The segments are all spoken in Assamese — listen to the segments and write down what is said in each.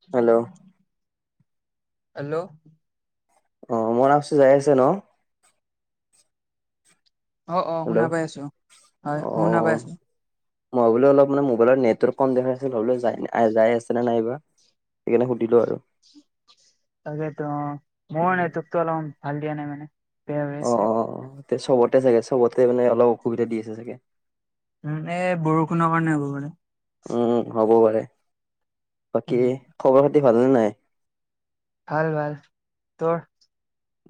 Hello [unintelligible] hello. অ', মো নাম ছোযাই আছে ন?। অ', অ', হেল্ল' শুনা পাই আছো। অ হয়, শুনা পাই আছো। মই বোলো অলপ মানে মোবাইলত নেটৱৰ্ক কম দেখাাই আছিল মই বোলো যাই [inaudible] যাই আছে নে নাইবা। সেইকাৰণে সুধিলোঁ আৰু। তাকেটো অ', মোৰো উম, নেটৱৰ্কটো অলপ ভাল দিয়া নাই মানে, বেয়া হৈ অ আছে। অ তে চবতে চাগে চবতে মানে অলপ অসুবিধা দি আছে চাগে। উম, এ, ৎ বৰষুণৰ কাৰণে হ'ব পাৰে। উম, হ'ব পাৰে। বাকী উম খবৰ খাতি ভালনে নাই?। ভাল-ভাল, তোৰ?।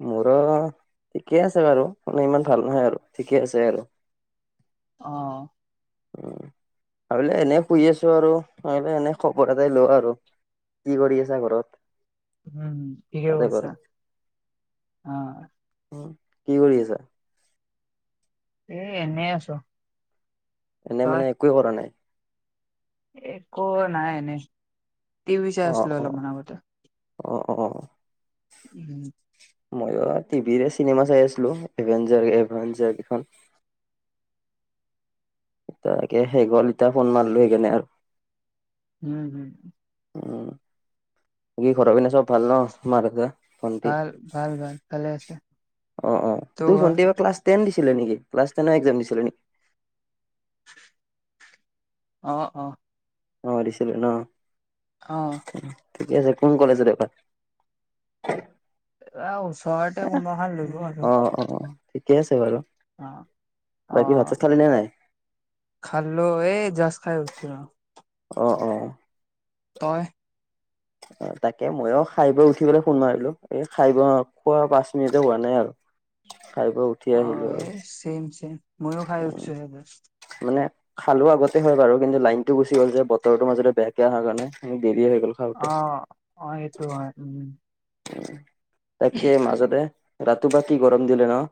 মোৰো ঠিকে আছে বাৰু, মানে ইমান ভাল নহয় আৰু ঠিকে আছে আৰু। অ। উম, ভাবিলো এনে শুই আছো আৰু, ভাবিলো এনে খবৰ এটাই লওঁ আৰু। কি কৰি আছা ঘৰত?। উম, ঠিকে তাতে বাৰু কৰিছা। অ উম, কি কৰি আছা?। এ, এনে আছো। এনেই তই মানে, একোৱে কৰা নাই। একো নাই এনে, টি ভী চাই অ আছিলো অ অলপমান আগতে। অ', অ। [unintelligible] ময়ো টিভিৰে চিনেমা চাই আছিলো, এভেঞ্জাৰ-এভেঞ্জাৰ গিখন। তাকে সেষ হল এতিয়া ফোন মাৰলো সেইকাৰণনে আৰু। উম, হুম। উম, বাকি ঘৰৰ পিনে চব ভাল ন, মাৰ দেউতাৰ। ভণ্টী, ভাল ভাল ভাল ভালে আছে অ', অ', তোৰ ভন্টি এইবাৰ ক্লাছ টেন দিছি ছিলে নেকি, ক্লাছ টেন এক্জাম দিছিলে নি। অ', অ। অ', দিছিলে ন। অ। ঠিকে আছে, কোন কলেছজত এইবাৰ?। [unintelligible] কোনোবা এখন ললো [unintelligible] আৰু অ', অ'। ঠিকে আছে বাৰু, অ অ বাকী ভাত-চাত খালী নে নাই?। খালো, এই জাছ্ খাই উঠছো আৰু। অ', অ'। তই?। অ', তাকে ময়ো খাই বৈ উঠি পেলাই ফোন মাৰিলো। এই খাই বৈ অ', খোৱা পাঁচ মিনিটে হোৱা নাই আৰু। [inaudible] খাই বৈ উঠি অ আহিলো এ আৰু। চেম চেম ময়ো খাই উঠছো সেইবোৰ। [unintelligible] খালো আগতে হয় বাৰু কিন্তু লাইনতটো গুচি গ'ল যে বতৰটো মাজতে বেয়াহকে অহাৰ কাৰণে [unintelligible] দেৰি হৈ গ'ল খাওঁতে। অ অ সেইটো হয় উম। উ তাকে মাজতে ৰাতিপুৱা কি গৰম দিলে ন?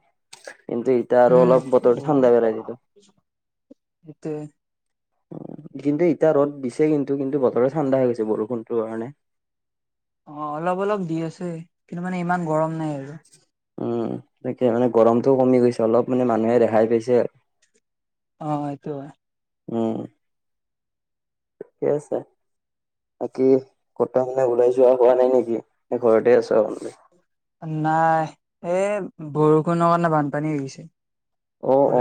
কিন্তু এতিয়া আৰু উম অলপ বতৰটো ঠাণ্ডা পেলাই দিলে। [unintelligible] সেটোৱে কিন্তু ইতিয়া ৰ'দ দিছে কিন্তু কিন্তু বতৰে ঠাণ্ডা হৈ গৈছে বৰষুণটোৰ কাৰণে। অ অলপ অলপ দি আছে, কিন্তু মানে ইমান গৰম নাই আৰু। উম তাকে মানে গৰমটোও কমি গৈছে অলপ মানে মানুহে ৰেহাই পাইছে। অ সটোৱে উম [unintelligible] বাকি কতা মানে ওলাই যোৱা হোৱা নাই নেকি? নে ঘৰতে আছো [unintelligible] নাই এ বৰষুণৰ কাৰণে বানপানী আহিছে। অ অ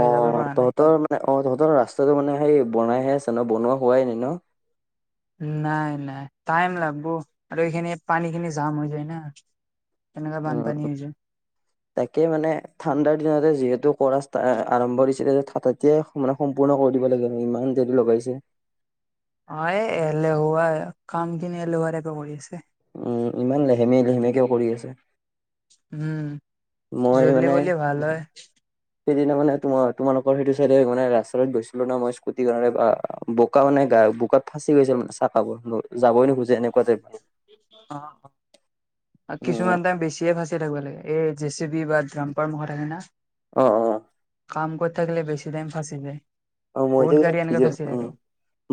তহঁতৰ মানে অ তহঁতৰ ৰাচ [unintelligible] মানে সেই বনাইহে আছে ন বনোৱা হোৱাই নাই ন? নাই নাই টাইম লাগব আৰু এইখিনি পানীখিনি জাম হৈ যায় না তেনেকা উম বানপানী হৈছে তাকে মানে ঠাণ্ডাৰ দিনতে যিহেতু কৰা ষ্টা আৰম্ভ [unintelligible] তেতিয়াই মানে সম্পূৰ্ণ ক দিব লাগে হয় ইমান দেৰি লগাইছে। অ এ এলেহুৱা কাম খিনি এলেহুৱাৰাকে কৰি আছে। উ ইমান লেহেমে লেহেমে কেও কৰি আছে। উম মই জল্দি মানে কৰিলে ভাল হয় সেইদিনা মানে তোমাৰ তোমালোকৰ সেইটো চাইডে মানে ৰাস্তাটোত গৈছিলো ন মই স্কুটি কাৰণে বা বোকা মানে গা আৰু বোকাত ফাচি গৈছিল মানে চাহাবোৰ বোৰ অ উম কিছুমান ত বেছিয়ে ভাচ থাকিব লাগে এই জে চি বি বা ড্ৰাম্পাৰ মুখৰ থাকে না। অ অ কাম কৰ থাকিলে বেছি দাইম ফাঁচি যায়। অ মই যে বহুত কৈ গাড়ী এনেকে ভিডিঅ' ফাঁচি অ থাকে।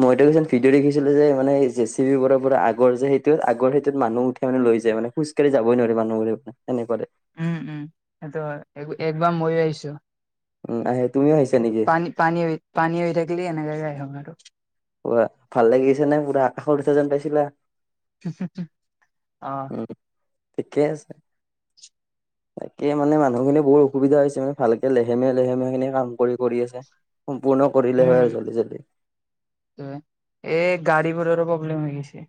মইত কৈ ভিডিঅ' দেখিছিলো যে মানে জে চি পিবোৰৰ পৰা আগৰ যে সেইটোত আগৰ সেইটোত মানুহ উঠাই মানে লৈ যায় মানে খোজকাঢ়ি যাবই নোৱাৰে মানুহবোৰৰ পৰা উম উম সেইটো হয় এক একবাৰ ময়ো আহিছোঁ। উম আহে তুমিও আহিছা নেকি পানী পানী এৰি পানী এৰি থাকিলে এনেকাৱাকে আহে মানে সেইটো পোৱা ভাল লাগিছে নে পুৰা সৰু চে যেন পাইছিলা। অহ উম ঠিকে আছে। তাকে মানে মানুহখিনি বহু অসুবিধা হৈছে মানে ভালকে লেহেমেীয়া লেহেমীয়া খিনি কাম কৰি কৰি আছে। সম্পূৰ্ণ কৰিলে হয় উম আৰু জল্দি জল্দি। এই গাড়ীবোৰৰো প্ৰব্লেম হৈ গেইছে।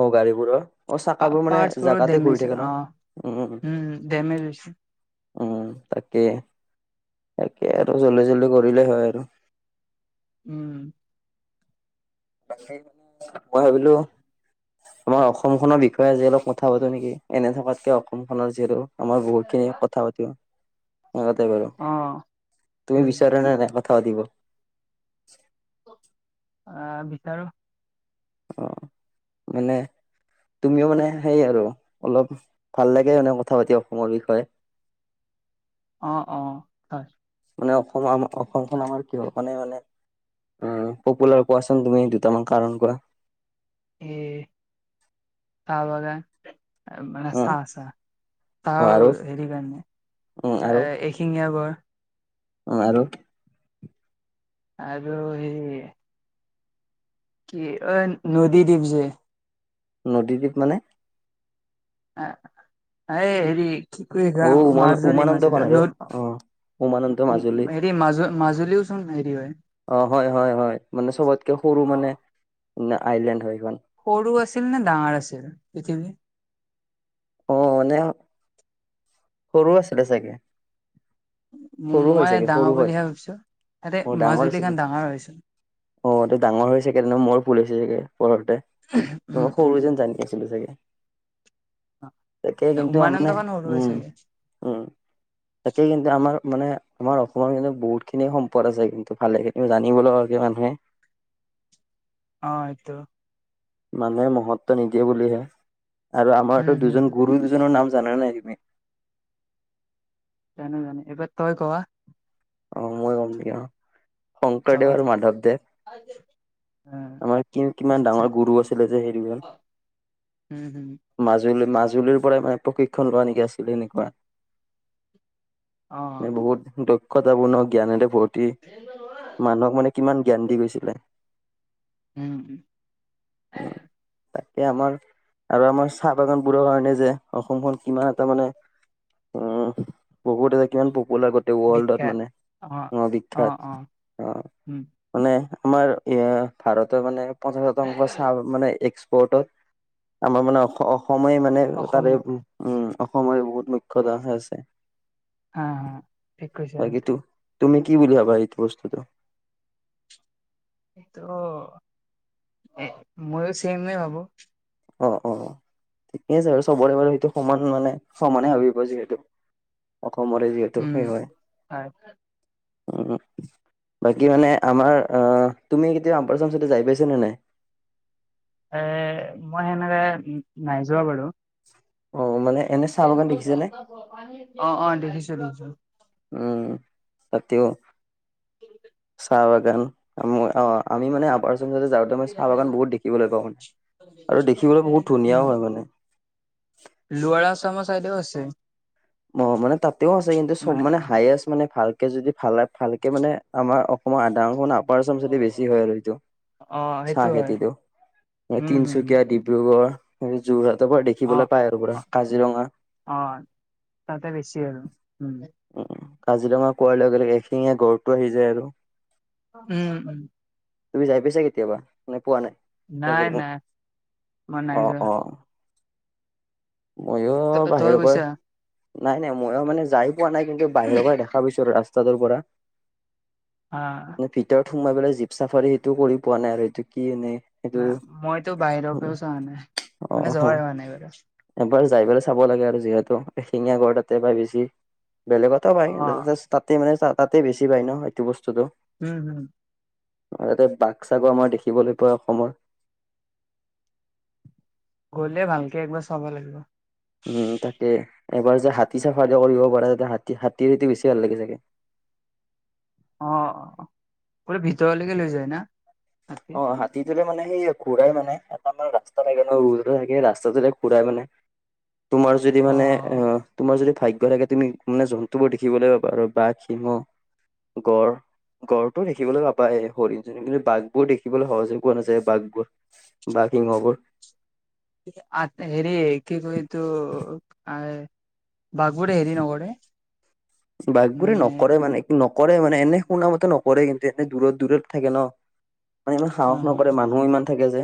অ গাড়ী বোৰৰ অ চাকাবোৰ মানে বোৰো জাগাতে ঘূৰি ডেমেজ হয়। থাকে ন, অ'। উ উম ডেমেজ হৈছে উম তাকে। তাকে আৰু জল্দি জল্দি কৰিলেই হয় আৰু উম মই ভাবিলো আমাৰ অসমখনৰ বিখয়ে আজি অলপ কথা পাতো নেকি এনে থকাতকে অসম খনৰ যিহেতু আমাৰ বহুত খিনি কথা পাতিও অ সেইটোৱেই বাৰু। অ', তুমি উম বিচাৰা নাই কাষত উঠা দিব আহ বিচাৰো। অ মানে তুমিও মানে সেই আৰু অলপ ভাল লাগে মানে কথা পাতি অসমৰ বিষয়ে [inaudible] অ অ হয় মানে অসম আমাৰ অসমখন আমাৰ কিহৰ কাৰণে মানে অ পপুলাৰ কোৱাচোন তুমি দুটামান কাৰণ কোৱা এ চাহ বাগান মানে চাহ উম চাহ তাৰ আৰু হেৰি কাৰণে এ এশিঙীয়া গড় অ আৰু আৰু হে কি অ নদি দ্বীপ যে নদীদ্বীপ মানে অ আহ হেৰি কি কৰিছা অ উমান মাজুলী উমানন্দখন মাজুলী আৰু অ উমানন্দ মাজুলী ন হেৰি মাজুল মাজুলীওচোন হেৰি হয় অ হয় হয় হয় মানে চবতকে সৰু অ মানে আইলেণ্ড হয় স সৰু আছিল নে ডাঙৰ আছিল পৃথিৱী অ মানে সৰু আছিলে চাগে সৰু হয় মই চাগে সৰু ডাঙৰ হয় বুলিহে ভাবিছো ইতে অ ডাঙৰ আছিলে মাজুলীখন ডাঙৰ হৈছিল অ এইটো ডাঙৰ হৈ চাগে তেনে মোৰ ফুল হৈছে চাগে পৰতে ত উম মই উম সৰু যেন জানি আছিলো চাগে তাকে কিন্তু উমানন্দ মানে খন সৰু হৈ উম চাগে উম তাকে কিন্তু আমাৰ মানে আমাৰ অসমৰ কিন্তু বহুত খিনি সম্পদ আছে কিন্তু ভালেখিনি জানিব লগা আৰু কি মানুহে [unintelligible] অ সেইটো মানুহে মহত্ব নিদিয়ে বুলিহে আৰু আমাৰতো উম হম দুজন গুৰু দুজনৰ নাম জানা নাই তুমি জানো জানো এইবাৰ তই কোৱা অ মই গম ন অ ক শংকৰদেৱ আৰু মাধৱদেৱ আমাৰ কি কিমান ডাঙৰ গুৰু আছিলে যে হেৰিজন উম উম মাজুলী মাজুলীৰ পৰাই মানে প্ৰশিক্ষণ লোৱা নেকি আছিল এনেকুৱা অ এ বহুত দক্ষতাপূৰ্ণ জ্ঞান এটা বহুত উম মানুহক মানে কিমান জ্ঞান দি গৈছিলে উম হ এয়া আমাৰ আৰু আমাৰ চাহ বাগান বোৰৰ কাৰণে যে অসমখন কিমান এটা মানে উম বহুত আছে কিমান পপুলাৰ গোটেই ৱৰ্ল্ডত বিখ্যাত মানে অ বিখ্যাত অ উম মানে আমাৰ এ ভাৰতে মানে পঞ্চাশ শতাংশ চাহ মানে এক্স ওৰত আমাৰ মানে অসমে মানে তাৰে অসমৰ পৰা উম অসমৰে বহুত মুখ্যত আছে হা হা ঠিক কৈছা তাকে টো তুমি কি বুলি ভাবা ইটো বস্তু তো মইও চেমেই ভাবো অ অ অ ঠিকেই আছে আৰু চবৰে বাৰু সেইটো সমান মানে সমানে ভাবিব যিহেতু সমৰে যিহেতু উম সেই হয় হয় উ বাকী মানে আমাৰ আহ তুমি কেতিয়াবা আম্পচামচ যাই পাইছ নে নাই এ মই সেনেকে নাই যোৱা বাৰু অ মানে এনে চাহ বাগান দেখিছানে অ অ দেখিছ দেছ উম সতও চাহ বাগান আ মই অ' আমি মানে আপাৰ আসাম যাওঁতে মই চাহ বাগান বহুত দেখিবলৈ পাওঁ মানে, আৰু দেখিবলৈ বহুত ধুনীয়াওঁ হয় মানে। লোৱাৰা আসামৰ চাইডেও আছে। অ' মানে তাতেও আছে কিন্তু চব মানে হায়েষ্ট মানে ভাল ভালকে যদি ভাল ভালকে মানে আমাৰ অসমৰ আধা অংশ আপাৰ আসাম ছাইডে বেছি হয় আৰু এইটো। অ চাহ সেইটো হয় খেতিটো উম হম তিনচুকীয়া, ডিব্ৰুগড় সেই যোৰহাটৰ পৰা অ দেখিবলৈ পাই আৰু পুৰা অ কাজিৰঙা। অ তাতে বেছি আৰু উম্। উম্ কাজিৰঙা কোৱাৰ লগে লগে এশিঙীয়া গঁড়টো আহি যায় আৰু। উম্, উম্। তুমি যাই পাইছা কেতিয়াবা নে পোৱা নাই? নাই কাজিৰঙা নাই মই নাই অ' যোৱা অ'। মইও ত তই বাহিৰৰ পৰা, গৈছা নাই নাই মইও মানে যাই পোৱা নাই কিন্তু বাহিৰৰ পৰা দেখা পাইছো আৰু ৰাস্তাটোৰ পৰা। অ'। মানে ভিতৰত সোমাই পেলাই জীপ চাফাৰী সেইটো কৰি পোৱা নাই আৰু এইটো কি এনে সেইটো নাই মইতো বাহিৰপৰাও চোৱা নাই, অ মানে হ যোৱা হোৱা নাই বাৰু। এবাৰ যাই পেলাই চাব লাগে আৰু যিহেতু এশিঙীয়া গড় তাতে পাই বেছি। বেলেগতো অ পায় তাতেই মানে চা তাতেই বেছি পায় ন সেইটো বস্তুতটো। উম, হম্। আৰু ইতে বাঘ-চাঘো আমাৰ দেখিবলৈ পোৱা অসমৰ। গ'লে ভালকে একবাৰ চাব লাগিব। উম তাকে এবাৰ যে হাতী ছাফাৰীও কৰিব পাৰে তাতে হাতী হাতীৰ টো বেছি ভাল লাগে চাগে। অ' পোৰা ভিতৰলৈকে লৈ যায় না? হাতী অ' হাতীটোৰে মানে সেয়ে ঘূৰাই মানে এটা আমাৰ ৰাস্তা থাকে ন ৰোডৰ সেই ৰাস্তাটোৰে ঘূৰাই মানে। তোমাৰ যদি অ মানে অ' তোমাৰ যদি ভাগ্য থাগে তুমি মানে জন্তুবোৰ দেখিবলৈ পাবা আৰু বাঘ, সিংহ গঁড়, গড়টো দেখিবলৈ পাবাই হৰিণ জনি বাঘ বোৰ দেখিবলৈ সহজ পোৱা নাযায়। বাঘবোৰ বাঘ, সিংহ বোৰ। আ হেৰি কি কয় এইটো বাঘবোৰে হেৰি নকৰে। বাঘবোৰে মানে নকৰে মানে, ন কৰে মানে, এনে শুনা মতে নকৰে কিন্তু, এনে দূৰত, দূৰত থাকে ন'। মানে ইমান অ সাহস নকৰে মানুহো ইমান থাকে যে।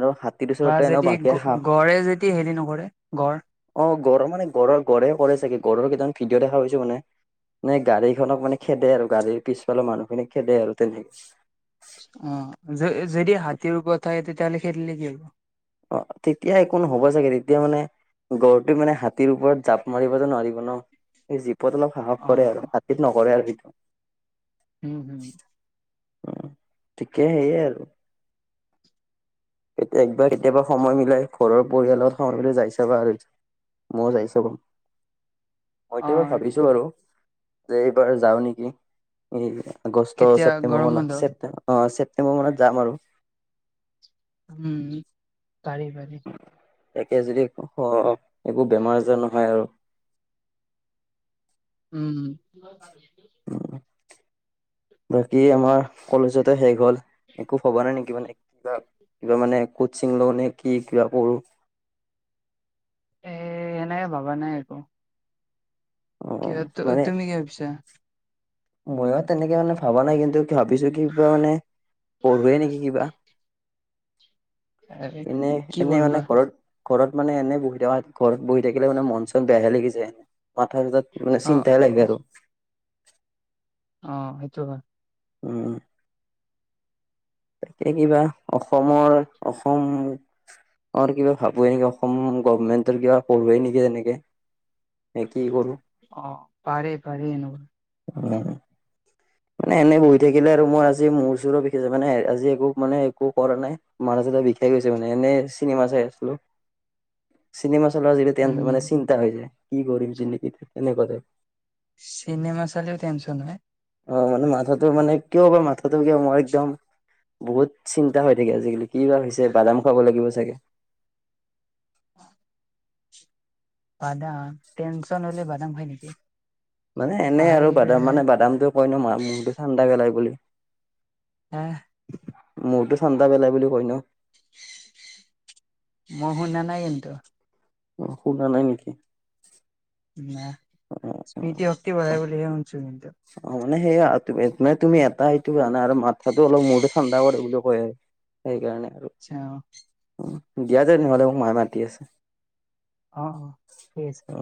আৰু হাতীৰ বা ওচৰতে এনে যদি গ বাকে খাঁ। গড়ে যদি হেৰি নকৰে গড় অ' গড়ৰ মানে গড়ে কৰে চাগে গড়ৰ কেইটান ভিডিঅ' দেখা পাইছো সেই দিনা মানে নে গাড়ীখনক মানে খেদে আৰু গাড়ীৰ পিছফালৰ মানুহ খিনিক খেদে আৰু তেনেকে। অ' যদি হাতীৰ ওপৰত থাকে তেতিয়াহ'লে খেদিলে কি হ'ব? অ' তেতিয়া একোনহ'ব চাগে, তেতিয়া মানে গড়টোৱে মানে হাতীৰ ওপৰত জাঁপ মাৰিব যে নোৱাৰিব ন অলপ সাহস অ কৰে আৰু, হাতীক নকৰে আৰু ভিতৰত। হম, উম। অ', ঠিকে সেইয়ে আৰু। একবাৰ, কেতিয়াবা সময় মিলাই ঘৰৰ পৰিয়ালত সময় মিলাই যাই ছাবা আৰু। মইয়ো যাই আছো ব'ল। অ মইতো এইবাৰ ভাবিছো আচ্ছা বাৰু যে এইবাৰ যাওঁ নেকি? আগষ্ট কেতিয়া ছেপটেম্বৰ গৰম বন্ধ মানত ছেপ অ ছেপটেম্বৰ মানত যাম আৰু। উম, পাৰি পাৰি। তাকে যদি একো বেমাৰ আজাৰ নহয় আৰু উম। উ বাকী আমাৰ কলেজতে শেষ হ'ল। একো ভবা নাই নেকি মানে কিবা কিবা মানে কচিং ল ন কি কিবা কৰঢ়ো এ এনেকে ভবা নাই একো অ কিবা তুমি কিয় পিছা ময় তেনেকে মানে ভবা নাই কিন্তু ভাবিছো কি কিবা মানে পঢ়োৱে নেকি কিবা এ এনে কি এনে মানে বলবা ঘৰত ঘৰত মানে এনে বহি থকা ঘৰত বহি থাকিলে মানে মন চন বেয়াহে লাগি যায় এনে মথাৰ ত মানে অ', চিন্তা লাগে অ', আৰু অ সেইটোুৱ উম তাকে কিবা অসমৰ অসম অ কিবা ভাবো নেকি অসম গভমেন্টৰ কিবা পঢ়োৱে নেকি তেনেকে এ কি কৰো পাৰে পাৰে ন উ মানে এনে বহি থাকিলে আৰু মই আজি মোৰ ওচৰৰ বিশষ মানে আজি একো মানে একো কৰা নাই ম বিষাই গৈছে মানে এনে চিনেমা চাই আছিলো চনেমা চল উম, মানে চিন্তা হৈ যায় কি কৰিম চ নকি তেনেকুৱাতে চিনেমা চালও টেনচন নহ অ মানে মাথাটো মানে কিয় বাৰ মাথাটো কিয় মই একদম বহুত চিন্তা হৈ থাকে আজিকালি কি বা হৈছে বাদাম খাব লাগিব চাগে [inaudible] বাদাম টেনচন হলে বাদাম হয় নেকি মানে এনে পাহাৰী আৰু বাদাম মানে হা বাদামটো কই ন ম মহটো ঠাণ্ডা গেলাই বুলি আহ মূৰতটো চান্দা পেলাই বুলি কৈ ন মই শুনা নাই কিন্তু অ শুনা নাই নেকি উ অ অ স্মৃতি শক্তি বধায় বুলিহে শুছো কিন্তন্তু অ মানে সেইয়া মে তুমি এটা সটো জানে আৰু মাথাটো অলপ মূৰটো ঠাণ্ডা কৰে বুলি কয় সেইকাৰণে আছা আৰু দিয়া যে তেনেহ'লে মোক মায়ে মাতি আছে অ অ ঠিকছে অ'।